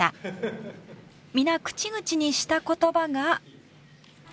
皆口々にした言葉が。